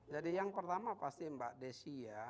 jadi yang pertama pasti mbak desy ya